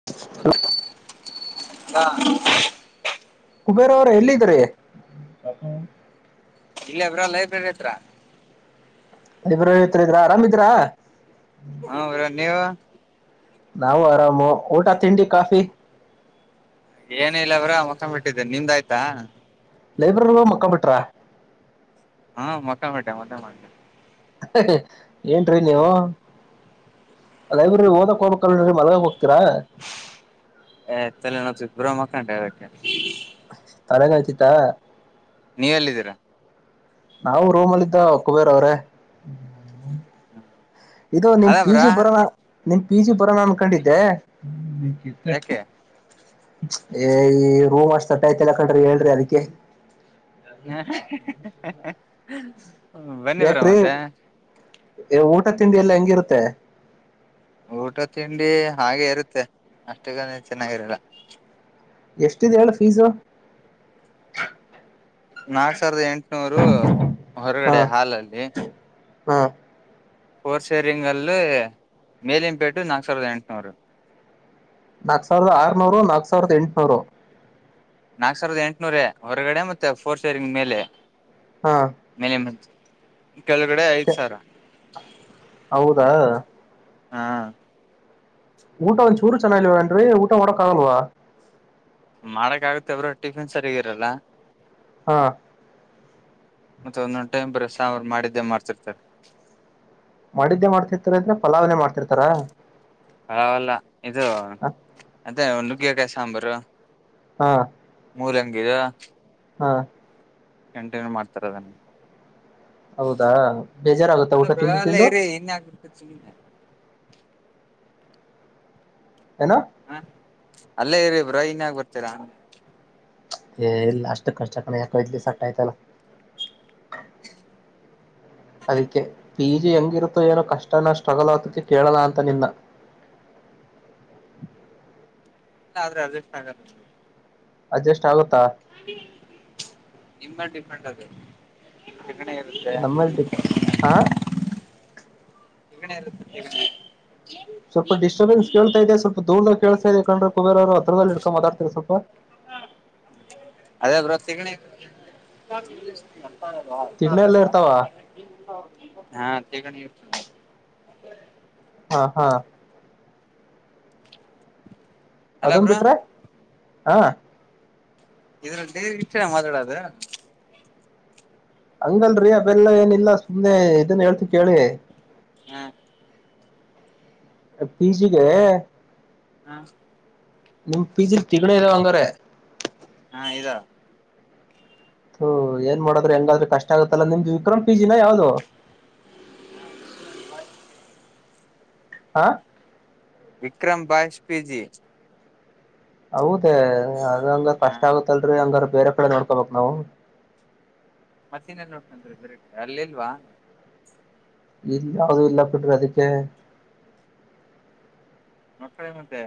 [unintelligible] ಹಾ ಕುಬೇರ ಅವ್ರ ಎಲ್ಲ್ರೆ ತಾಕ ಇಲ್ಲ ಬ್ರೋ ಲೈಬ್ರರಿ ಹತ್ರ ಲೈಬ್ರೇರಿ ಹತ್ತರ ಇದ್ರಾ ಆರಾಮಿದ್ರಾ ಹ್ಮರ ನೀವು ನಾವು ಆರಾಮು ಊಟ ತಿಂಡಿ ಕಾಫಿ ಏನ ಇಲ್ಲ ಅವ್ರ ಮೊಖ ಬಿಟ್ಟಿದ್ದೇನೆ ನಿಮ್ದ ಆಯ್ತಾ ಲೈಬ್ರರಿ ಮ ಮುಕ್ಕೊ ಬಿ್ರ ಹಾ ಮೊಕ್ಕ ಮಾಡೆ ಮಕ್ಕ ಮಾಡ ಏನ್ ರಿ ನೀವು ಲೈಬ್ರರಿ ಓದಕ ಹೋಗಬೇಕ ಅಲ್ ಮಲಗ ಹೋಗ್ತೀರಾ ತಲೆ ನೋವ್ತೈತ್ ಬ್ರೋ ಮಕ್ಕಂಡೆಅದಕ್ಕೆ ತಲೆಗಾಯಚಟಾ ನೀವ ಎಲ್ಲಿದ್ದೀರಾ ನಾವವು ರೂಮ್ ಅಲ್ಲಿದ್ದ ಕುಬೇರ್ ಅವ್ರೆ ಇದು ನಿಮ ಅದ ಪಿ ಬ್ರೋ ಜಿ ಬರೋಣ ನಿಮ ಪಿ ಜಿ ಬರೋಣ ಅನ್ಕೊಂಡಿದ್ದೆ ಯಾಕೆ ಏ ಈ ರೂಮ್ ಅಷ್ಟಪ್ಪಯತಿಲ್ಲ ಕಂಡ್ರಿ ಹೇಳ್ರಿ ಅದಕ್ಕೆ ಹ ಯಾಕ್ರೀ ಊಟ ತಿಂಡಿ ಎಲ್ಲ ಹೆಂಗಿರುತ್ತೆ ಊಟ ತಿಂಡಿ ಹಾಗೆ ಇರುತ್ತೆ ಅಷ್ಟ ಗ ಚೆನ್ನಾಗಿರಲ್ಲ ಎಷ್ಟಿದೆ ಹೇಳ ಫೀಸು ನಾಕ್ ಸಾವಿರದ ಎಂಟುನೂರು ಹಾ ಹೊರಗಡೆ ಹಾಲಲ್ಲಿ ಹಾ ಫೋರ್ ಸೇರಿಂಗ್ಲ್ಲು ಮೇಲಿಂ ಬೆಡ್ಡು ನಾಕ್ ಸಾವಿರದ ಎಂಟುನೂರು ನಾಕ್ ಸಾವರದ ಆರ್ನೂರು ನಾಕ್ ಸಾವಿರದ ಎಂಟ್ನೂರು ನಾಕ್ ಸಾವಿರದ ಎಂಟ್ನೂರ ಹೊರಗಡೆ ಮತ್ತೆ ಫೋರ್ ಶೇರಿಂಗ್ ಮೇಲೆ ಹಾ ಮಿನಿಮ್ ಕೆಳಗಡೆ ಐದ ಛೆ, ಸಾವಿರ ಹೌದಾ ಹಾ ಊಟ ಒಂದ್ ಚೂರು ಚೆನ್ನಾಗಿಲ್ವೇನ್ರಿ ಊಟ ಮಾಡಕ್ ಆಗಲ್ವಾ ಮಾಡಕ್ ಆಗುತ್ತೆ ಬ್ರೋ ಟಫಿನ್ ಸರಿಗಿರಲ್ಲ ಹಾ ಮತ್ತೆ ಒಂದೊಂದು ಟೈಮ್ ಬರೇ ಸಾಂಬ್ ಮಾಡಿದ್ದೇ ಮಾಡ್ತಿರ್ತಾರೆ ಮಾಡಿದ್ದೆ ಮಾಡ್ತಿರ್ತಾರ ಅಂದ್ರೆ ಪಲಾವನೆ ಮಾಡ್ತಿರ್ತಾರ ಹಲ್ಲ ಇದು ಹ ಮತ್ತೆ ನುಗ್ಗಿಯಕಾಯಿ ಸಾಂಬಾರು ಹಾ ಮೂರ ಹಂಗಿದ ಹಾ ಕಂಟಿನ್ಯೂ ಮಾಡ್ತಾರ ಅದನ್ನ ಹೌದಾ ಬೇಜಾರಾಗುತ್ತಾ ಊಟ ತಿಂದು ತಿಂದು ಏನ್ಯ ಆ [unintelligible] ಕವನ್ [unintelligible] ನಾ [unintelligible] ಹಾ ಅಲ್ಲೇ ಇರಿ ಬ್ರ ಇನ್ ಆಗ ಬರ್ತೀರಾ [unintelligible] ಏ ಇಲ್ಲ ಅಷ್ಟು ಖರ್ಚಕಣ ಯಾಕ ಇಲಿ ಸಟ್ ಆಯ್ತಲ್ಲ ಅದಕ್ಕೆ ಪಿ ಜಿ ಹೆಂಗಿರುತ್ತೋ ಏನೋ ಕಷ್ಟನ ಸ್ಟ್ರಗಲ್ ಆದಕ್ಕೆ ಕೇಳೋಣ ಅಂತ ನಿನ್ನ ಇಲ್ಲ ಆದ್ರೆ ಅದಷ್ಟಗ ಅಡ್ಜಸ್ಟ್ ಆಗುತ್ತಾ ನಿದ ಡಿಫ್ರೆಂಟ್ ಅದ ನಮ್ಮಟ ಹಾ ಹೆಗಲ್ಲ ಸ್ವಲ್ಪ ಡ್ಟರ ನ್ಸ್ಳ್ತಾ ಇ ಸ್ವಲ್ಪ ದೂರಾಗ ಕೇಳ್ತಾದೆ ಕ್ರೆ ಕುಬೇಾರ ಅವ ಹತ್ರದಲ್ಲಿ ಇಡ್ಕೋತಾರೆ ಸ್ವಲ್ಪ ಅದೇ ಬ್ರ ತೆಗಣಿ ತಿಗ್ನೆ ಎಲ್ಲ ಇರ್ತಾವ ಹಾ ತಗತ [unintelligible] ಹಾ ಹಾ ಅಲ್ಲ ಅದನ್ ಬ್ರೋ ಬಿಟ್ರೆ ಹ ಇದ್ರಲ್ಲಿ ಇಷ್ಟ ಮಾದಾಡದು ಹಂಗಲ್ರರಿ ಅವೆಲ್ಲ ಏನಿಲ್ಲ ಸುಮ್ನೆ ಇದನ್ ಹೇಳ್ತಿ ಕೇಳಿ ಹಾ ಪಿ ಜಿಗೆ [unintelligible] ಹಾ ನಿಮ್ ಪಿಜಿಲಿ ತಗಣ ಇದ್ದಾವ ಹಂಗಾರಾರೆ ಹಾ ಇದಾ ಹ ಏನು ಮಾಡೋ್ರ ಹೆಂಗಾದ್ರ ಕಷ್ಟ ಆಗತ್ತಲ್ಲ ನಿಮ್ದು ವಿಕ್ರಮ್ ಜಿನ ಯಾವ್ದದು ಸಿ [unintelligible] ಹಾ ವಿಕ್ರ್ ಬಾಷ್ಪೀಜಿ ಹೌದೇ ಅದ ಹಂಗ ಹಾ ಕಸ್ಟ್ ಆಗತ್ತಲ್ರಿ ಅಂಗ್ರ ಬೇರೆ ಕಡೆ ನೋಡ್ಕೋಬೇಕಕ್ ನಾವು ಮಸೀನಲ್ಲಿ ನೋಡ್ಕೊಂಡ್ರೆ ಬೇರೆ ಅಲ್ಲಿಲ್ವಾ ಇಲ್ಲ ಯಾವ್ದೂ ಇಲ್ಲ ಬಿಡ್ರಿ ಅದಕ್ಕೆ ನೋಡ್ಕಳ ಮತ್ತೆ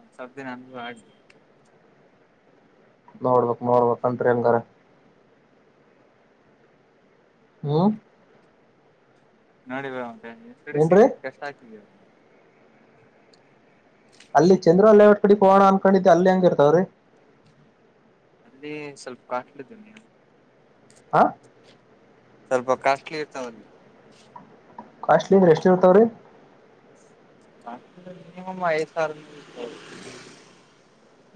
ಒಂದ್ ಸ [unintelligible] ಅಂದೂ ಆಗಿದೆ ನೋಡ್ಬಕ್ ನೋಡ್ಬಕ್ ಅಂತ್ರಿ ಹೆಂಗಾರ ಹ್ಮ ನೋಡಿ ಬೆ ಎಷ್ಟಡ ಸಿ ಏನ್ರೀ ಕಷ್ಟ ಆಗ್ಕ್ಗೆ ಅಲ್ಲಿ ಚಂದ್ರ ಅಲ್ಲೇ ಒಟ್ ಕಡೆ ಹೋಣ ಅನ್ಕೊಂಡಿದ್ದ ಅಲ್ಲಿ ಹಂಗ ಇರ್ತಾವ್ರೀ ಅಲ್ಲಿ ಸ್ವಲ್ಪ ಕಾಸ್ಟ್ಲ್ದ ನೀ ಹಾ ಸ್ವಲ್ಪ ಕಾಸ್ಟ್ಲಿ ಇರ್ತಾವಲ್ಲಿ ಕಾಸ್ಟ್ಲಿ ಅ್ರ ಎಷ್ಟ ಇರ್ತಾವ ರೀ ತ ಮಯಸ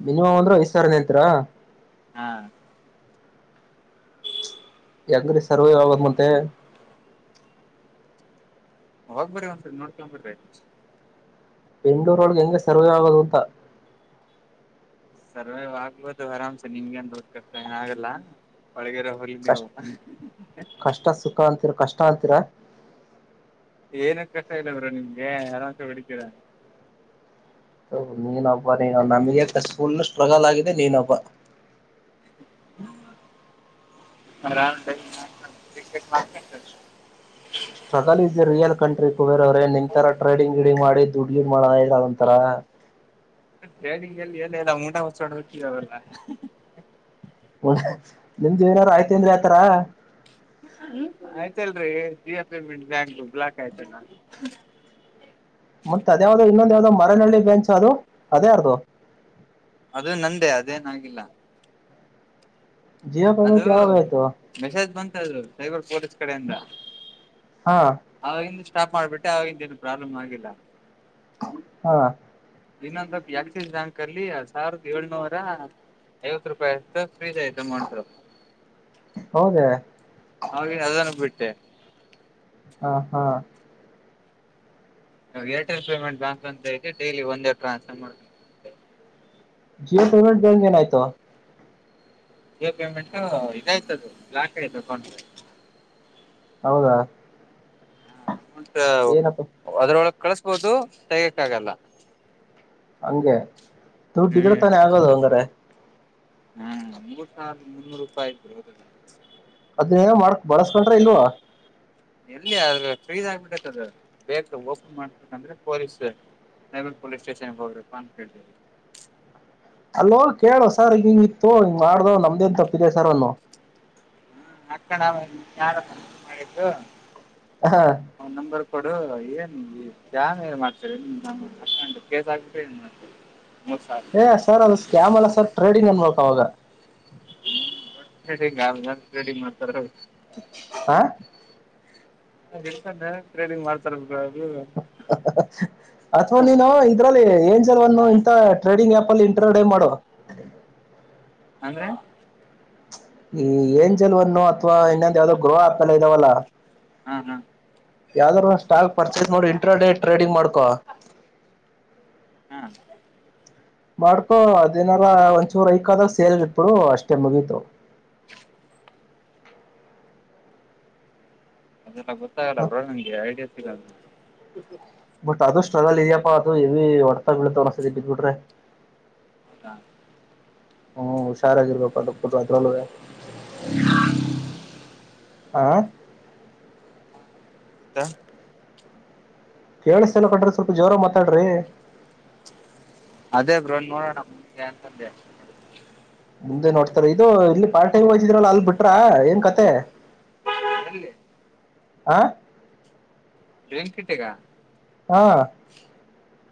ಮಿನಿಮ್ ಅಂದ್ರೆ ಐ್ ಸಾವರ ನಂತ್ರ ಹಾ ಹೆಂಗ್ರೀ ಸರ್ವೇ ಆಗೋದ ಮತ್ತೆ ಹೋಗ್ ಬಾರಿ ಒಂದ್ಸರಿ ನೋಡ್ಕೊಂಡ್ ಬರ್ರಿ ಬೆಂಗಳೂರೊಳಗೆ ಹೆಂಗೆ ಸರ್ವೆ ಆಗೋದು ಅಂತ. ಸರ್ವೇವ್ ಆಗಬೋದು ಆರಾಮ್ಸ ನಿಮ್ಗೆ ಎನ್ ಕಷ್ಟ ಏನ ಆಗಲ್ಲ. ಪಳಗರೆ ಹುಲಿ ಕಷ್ಟ ನೀವು. ಕಷ್ಟ ಸುಖ ಅಂತೀರ ಕಷ್ಟ ಅಂತಿರಾ. ಏನಕೆ ಕಷ್ಟ ಇಲ್ಲ ಬರರು ನಿಮ್ಗೆ ಆರಾಮ್ಸ ಹೊಡಿತೀರಾ ಹ ನೀನೊಬ್ಬ ನೀನು ನನಗಿಂತ ಪುಲ್ ಸ್ಟ್ರಗಲ್ ಆಗಿದೆ ನೀನೊಬ್ಬ. ಮರ ಮಾರ್ಕೆ [unintelligible] struggle is a real country ಕುಬೇರವ್ರೇ ನಿನ್ ಇತರ ಟ್ರೇಡಿಂಗ್ ಗಿಡಿಂಗ್ ಮಾಡಿ ದುಡ್ಡು ಗಿಡ್ ಮಾಡಿ [unintelligible] ಒಂತರ ಮತ್ತ ಹೇಳಿಂಗಗೆಲ್ಲಿ ಎಏಲ್ಲ ಇಲ್ಲ ಮುಂಡ ಹೊಚ್ಚೊಂಡ ಹುಟ್ಟ ಅವ್ರಲ್ಲ [unintelligible] ನಿಮಗೆ ಏನಾರು ಆಯ್ತ್ ಏನ್ರೀ ಆತರ. ಹ್ಮ್ ಆಯ್ತಲ್ರರಿ ಜಿಯೋ ಪೇಮೆಂಟ್ ಬ್ಯಾಂಕ್ ಬ್ಲಾಕ್ ಆಯ್ತಲ್ಲ ಮತ್ತ್ ಅದ ಯಾವ್ದೋ ಇನ್ನೊಂದು ಯಾವ್ದೋ ಮರನಳ್ಳಿ ಬೆಂಚ್ ಅದು ಅದ್ ಯಾರದು. ಅದು ನಂದೇ ಅದೇನಾಗಿಲ್ಲ. ಜಿಯೋ ಅದು ಪೇಮೆಂಟ್ ಯಾವಾಗ ಆಯ್ತು ಮೆಸೇಜ್ ಬಂತ ಅದು ಸೈಬರ್ ಪೋರ್ಸ್ ಕಡೆಯಿಂದ. ಹಾ ಅವಾಗಿಂದ ಸ್ಟಾಪ್ ಮಾಡ್ಬಿಟ್ಟೆ ಆವಾಗಿಂದ ಏನು ಪ್ರಾಬ್ಲಮ್ ಆಗಿಲ್ಲ. ಹಾ ಇನ್ನೊಂದ್ ಆಕ್ಸಿಸ್ ಬ್ಯಾಂಕ್ ಅಲ್ಲಿ ಸಾವಿರದ ಏಳ್ನೂರ ಐವತ್ತು ರೂಪಾಯಿಯತ ಫ್ರೀಜ್ ಐತ ಮಾಡಲ್. ಹೌದೆ ಹಳ ಅದನ್ನು ಬಿಟ್ಟೆ ಹಾ ಹಾ ಇ ಏರ್ಟೆಲ್ ಪೇಮೆಟ್ ಬ್ಯಾಂಕ್ ಅಂತ‌ ಡೈಲಿ ಒಂದೇ ಟ್ರಾನ್ಫರ್ ಮಾಡ್ ಜಿಯೋ ಪೇಮೆಂಟದು ಏನಾಯ್ತು ಈ ಪೇಮೆಂಟ್ ಇದ್ ಆಯ್ತ ಅದು ಲಾಕ್ ‌ಅಯ್ತು ಕ ಹೌದಾ ಅಮೌಂಟ್ ಏನಪ್ಪ ಅದ್ರೊಳಗೆ ಕಳಸ್ಬೋದು ತೆಗಯಕ್ಕ ಆಗಲ್ಲ. ಹಂಗೆ ದುಡ್ಡಿ ಇದ್ರೆತಾನೆ ಆಗೋದು ಅಂದರೆ ಹ್ಮ ಮೂರ್ [unintelligible] ಮುನ್ನೂರು ರೂಪಾಯಿ ಇಗ್ಬಡ ಹೋದ್ರಲ್ಲಿ ಅದೇ ಏನ ಮಾಡಕ್ ಬಳಸ್ಕೊಂಡ್ರ ಇಲ್ವೌ. ಎಲ್ಲಿ ಅ್ರ ಫ್ರೀದ್ ಆಗ್ಬಿಟ್ಟತ್ ಅದು ಬೇಕು ಓಪನ್ ಮಾಡ್ಂದ್ರೆ ಪೊಲೀಸ್. [unintelligible] ಪೋಲಿಸ್ ಸ್ಟೇಷನ್ ಗೆ ಹೋಗರಪ್ಪ ಅಂತ ಹೇಳತ್ತಿದ್ದೀವಿ. ಹಲೋ ಕೇಳು ಸರ್ ಈ ಹಿಂಗಿಗ್ ಇತ್ತು ಹಿಂಗ್ ಮಾಡ್ದ್ ನಮ್ದೇನ್ ತಪ್ಪಿದೆ ಸರ್ ಅನು. ಹ್ಮ್ ಅಕ್ಕಣ ಯಾರತ್ತೀರ ಮಾಡಿದ್ದು ಹಾ ಅವನ್ ನಂಬರ್ ಕೊಡು ಏನ್ ಕ್ಯಾಮ್ ಏನ್ ಮಾಡ್ತರಿ ನ ಅವನ್ ತಕೊಂಡು ಕೇಸ್ [unintelligible] ಮೂರ್ ಸರ್ ಏ ಸರ್ ಅದು ಸ್ಕ್ಯಾಮ್ ಅಲ್ಲ ಸರ್ ಟ್ರೇಡಿಂಗ್ ಅನ್ಬೇಕ್ ಅವಾಗ. ಹ್ಮ ರೆಡಿ ಮಾಡ್ತಾರೆ ಹ [unintelligible] ಅದು ಇಟ್ಕೊಂಡೆ ಟ್ರೇನಿಂಗ್ ಮಾಡ್ತರೆ ಅದ್ [unintelligible] ಅಥವಾ ನೀನು ಇದ್ರಲ್ಲಿ ಏಂಜಲ್ ಒನ್ ಇಂಥ ಟ್ರೇಡಿಂಗ್ ಆಪ್ ಅಲ್ಲಿ ಇಂಟ್ರೊಡೆವ್ ಮಾಡು. ಅಂದ್ರೆ ಈ ಏಂಜಲ್ವನ್ನು ಅಥವಾ ಇನ್ನೊಂದ ಯಾವವುದೋ ಗ್ರೋಹ ಆಪ್ ಎಲ್ಲ ಇದಾವಲ್ಲ. ಹಾ ಹಾ ಯಾವ್ದಾದ್ರು ಸ್ಟಾಲ್ ಪರ್ಚೇಸ್ ಮಾಡಿ ಇಂಟ್ರ ಡೇ ರೆಡಿ ಮಾಡ್ಕೋ. ಹ್ಮ ಮಾಡ್ಕೊ ಅದೇನಾರ ಒಂಚೂರು ಐಕ್ ಆದಾಗ ಸೇಲ್ ಇಟ್ಬಿಡು ಅಷ್ಟೇ ಮುಗೀತು. ಅದೆಲ್ಲ ಗೊತ್ತಾಗಲ್ಲ ಹ ಬ್ರೋ ನಂಗೆ ಐಡಿಯಾ ಸಿಗಲ್ಲ. ಬಟ್ ಅದು ಸ್ಟ್ರಗಲ್ ಇದ್ಯಪ್ಪಾ ಅದು ಯವಿ ಹೊಡ್ತ ಬೀಳತವ್ ಒಂದೊಂದು ಸರಿ ಬಿದ್ಬಿಟ್ರೆ. ಹಾ ಹ್ಮ್ ಹುಷಾರಾಗಿರ್ಬೇಕು ಅದ ಕೊಟ್ಟ ಅದ್ರಲುವೇ. [inaudible] ಆ ತ್ತ ಕೇಳುಸ್ತಲ ಕಟ್ಟ್ರೀ ಸ್ವಲ್ಪ ಜೋರಾಗಿ ಮಾತಾಡ್ರೀ. ಅದೇ ಬ್ರೋ ನೋಡೋಣ ಮುಂದೆ ಅಂತಂದೆ. ಮುಂದೆ ನೋಡ್ತಾರೆ ಇದು ಇಲ್ಲಿ ಪಾರ್ಟೈಮ್ ಹೋಗ್ತಿದ್ರಲ್ಲ ಅಲ್ ಬಿಟ್ರ ಏನ್ ಕತೆ. ಎಲ್ಲಿ ಹಾ [unintelligible] ಕಟ್ಟೆಗ. ಹಾ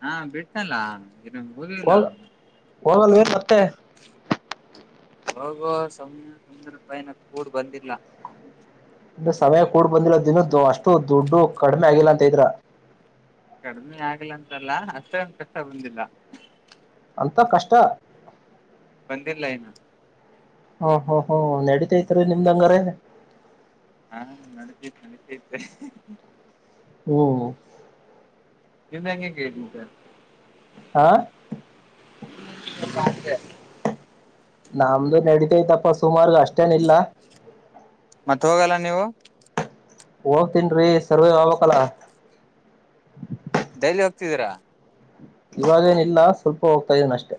ಹಾ ಬಿಟ್ಟನಲ್ಲ ಇನ್ನು ಹೋಗೆ ಇಲ್ಲ. ಹೋಗ ಹೋಗಲ್ವೇನ್ ಮತ್ತೆ. ಹೋಗುವ ಸ ಸುಂಮ್ಯ ಕೂಡ್ ಬಂದಿಲ್ಲ. ಇನ್ನು ಸಮಯ ಕೂಡ್ ಬಂದಿಲ್ಲ ದಿನುದ್ದು ಅಷ್ಟು ದುಡ್ಡು ಕಡಿಮೆ ಆಗಿಲ್ಲ ಅಂತ ಇದಿರ. ಕಡಿಮಿ ಆಗಿಲ್ಲ ಅಂತಲ್ಲ ಅಷ್ಟೋಂದು ಕಷ್ಟ ಬಂದಿಲ್ಲ. ಅಂತ ಕಷ್ಟ. ಬಂದಿರ್ಲ್ಲ ಇನ್ನು. ಹಾ ಹೋ ಹೋ ನಡಿತೈತ್ರಿ ನಿಮ್ದ ಹಂಗಾರೆ. ಹಾ ನಡಿತೀತ್ ನಡತೀತೆ. ಹೋ. ನಿನ್ನೆಂಗೆ ಕೇಟ್ಟಿದ್ದ. ಹಾ [unintelligible] ನಮ್ದು ನಡೀತೈತಪ್ಪ ಸುಮಾರು ಅಷ್ಟೇನ್ ಇಲ್ಲ. ಮತ್ತ್ ಹೋಗಲ್ಲ ನೀವು. ಹೋಗ್ತೀನ್ ರೀ ಸರ್ವೇ ಹೋಗ್ ಬೇಕಲ್ಲ. ಡೈಲಿ ಹೋಗ್ತಿದ್ದೀರಾ. ಇವಾಗೇನ ಇಲ್ಲ ಸ್ವಲ್ಪ ಹೋಗ್ತಾ ಇದೀನ ಅಷ್ಟೇ.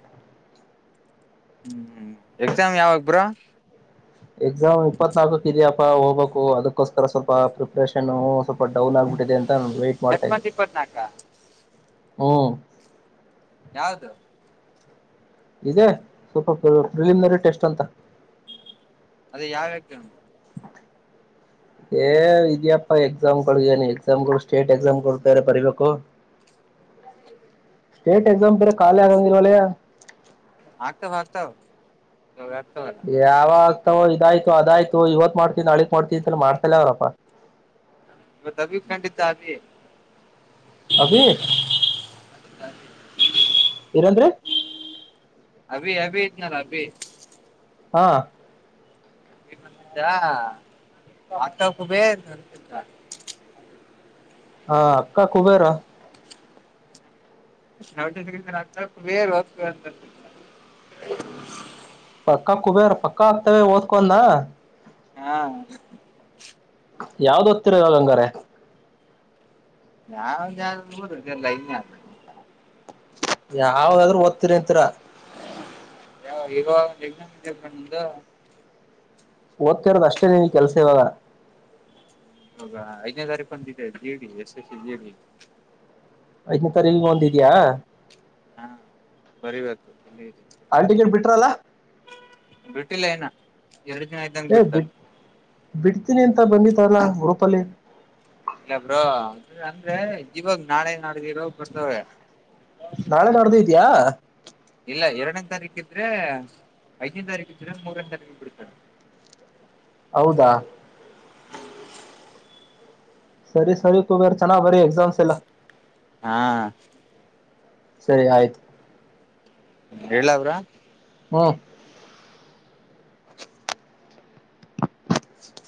ಹ್ಮ್ ಹ್ಮ್ ಎಕ್ಸಾಮ್ ಯಾವಾಗ ಬ್ರೋ. ಎಕ್ಸಾಮ್ ಇಪ್ಪತ್ನಾಲ್ಕಕ್ ಇದೆಯಪ್ಪಾ ಹೋಗ್ಬೇಕು ಅದಕ್ ಕೋಸ್ಕರ ಸ್ವಲ್ಪ ಪ್ರಿಪ್ರೇಷನ್ ಸ್ವಲ್ಪ ಡೌನ್ ಆಗ್ಬಿಟ್ಟಿದೆ ಅಂತ ವೈಟ್ ನೆಕ್ಸ್ಟ್ ಮಂಥ್ ಇಪ್ಪತ್ನಾಕ. ಹ್ಞ ಯಾವ್ದು. ಇದೆ ಸ್ವಲ್ಪ ಪ್ರಿಲಿಮ್ನರಿ ಟೆಸ್ಟ್ ಅಂತ. ಅದ ಯಾವ ಎಕ್ಸಾಮ್. ಏ ಇದ್ಯಪ್ಪ ಎಕ್ಸಾಮ್ ಗಳು ಏನ ಎಕ್ಸಾಮ್ಗಳು ಸ್ಟೇಟ್ ಎಕ್ಸಾಮ್ಗಳು ಬೇರೆ ಬರಿಬೇಕು. ಸ್ಟೇಟ್ ಎಕ್ಸಾಮ್ ಬೇರೆ ಖಾಲಿ ಆಗಂಗಿಲ್ಲಲೇ. ಆಗ್ತಾವ ಆಗ್ತಾವ ಆವಆಕ್ತವ. ಯಾವಾಗಗ್ತಾವ ಇದಾಯ್ತು ಅದಾಯ್ತು ಇವತ ಮಾಡ್ತೀ ನಾಳಿಗೆ ಮಾಡ್ತೀ ಅಂತ ಮಾಡ್ತಲ ಅವನಪ್ಪ. ಇವತ್ ಅಬಿ ಕಂಡಿದ್ದ ಆಗ್ಲಿ. ಅಭೀ ಏನಂದ್ರೀ ಅಭಿ ಅಭಿ ಇದ್ನಲ್ಲ ಅಭಿ. ಹಾ ತಾ ಅಕ್ಟ ಕುಬೇದ್ ಹಾ ಅಕ್ಕಾ ಕುಬೇರಾ ಹರಟೆ ತಗಿತನಚ್ಚ ವೇರ್ ಅತ್ತತ್ತ ಪಕ್ಕಾ ಕುಬೇರ ಪಕ್ಕಾ ಅಂತೇಳಿ ಓದಕ್ಕೋನ್ನ ಹ್ಯಾ ಯಾವ್ದ್ ಓತ್ತಿರ ಇವಾಗ ಹಂಗಾರೆ. ನಾವುಡ್ಯಾದ ನೋಡ್ರಿ ಇದ ಲೈನ್ಯಾಗ ಯಾವ್ದಾದ್ರೂ ಓದ್ತಿರಿ ಅಂತೀರಾ ಯಾವ ಇರುವ ಯಜನಿ ಬಣ್ಣ್ದ. ಓದ್ತಿರೋದು ಅಷ್ಟೇ ನಿನ್ನ ಕೆಲ್ಸ ಇವಾಗ. ಹೌದ ಐದನೇ ತಾರೀಕು ಓದಡಿತು ಟೀಡಿ ಎಷ್ಟ ಎ ಸಿ ಡಿ. ಐದನೆ ತಾರೀಖು ಒಂದದೀಯಾ. ಹಾ ಬರಿಬೇಕು ಇಲ್ಲಿ ಇದೆ. ಹಾಲಟಿಕೀಟ್ ಬಿಟ್ರಲ್ಲಾ ಬಿಟ್ಟಿಲ್ಲ ಇನ್ನ ಎರಡು ದಿನ ಇದ್ದಂಗ ಏ ಬಿಡ್ತಾರ. ಬಿಟ್ ಬಿಡ್ತೀನಿ ಅಂತ ಬಂದಿತಲ್ಲಾ ಗ್ರೂಪಲ್ಲಿ. ಇಲ್ಲ ಬ್ರೋ ಅಂದ್ರೆ ಅಂದ್ರೆ ಇವಾಗ ನಾಳೆ ನಾಡ್ದ ಇರೋ ಬರ್ತವೆ ನಾಳೆ ನಡ್ದ ಇದಯಾ ಇಲ್ಲ ಎರಡನೇ ತಾರೀಕ ಇದ್ರೆ ಐದನೇ ತಾರೀಕು ಇದ್ರೆ ಮೂರನೇ ತಾರೀಕು ಬಿಡ್ತಾರೆ. ಹೌದಾ ಸರಿ ಸರಿ ಕುಭೆರ್ ಚೆನ್ನಾಗಿ ಬರಿ ಎಕ್ಸಾಮ್ಸ್ ಎಲ್ಲ. ಹಾ ಸರಿ ಆಯ್ತು. ಹೇಳಲ್ಲಾ ಬ್ರೋ. ಹು. ಟಕ್ ಟಕ್